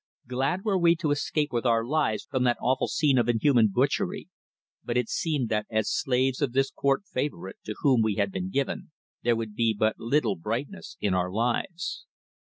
Glad were we to escape with our lives from that awful scene of inhuman butchery, but it seemed that as slaves of this court favourite to whom we had been given, there would be but little brightness in our lives.